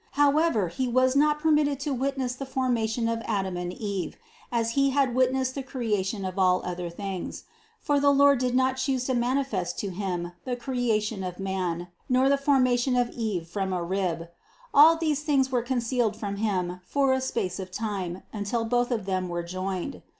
However, he was not permitted to witness the formation of Adam and Eve, as he had witnessed the creation of all other things : for the Lord did not choose to manifest to him the cre ation of man, nor the formation of Eve from a rib; all these things were concealed from him for a space of time until both of them were joined.